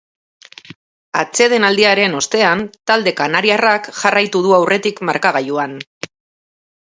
Atsedenaldiaren ostean, talde kanariarrak jarraitu du aurretik markagailuan.